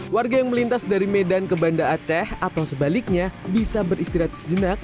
warga yang melintas dari medan ke banda aceh atau sebaliknya bisa beristirahat sejenak